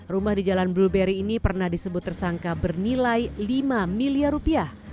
rumah di jalan blueberry ini pernah disebut tersangka bernilai lima miliar rupiah